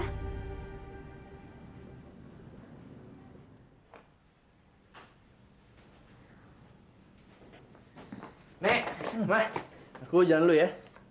emang aku jalan dulu ya